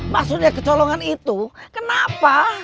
maksudnya kecolongan itu kenapa